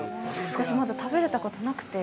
私、まだ食べれたことなくて。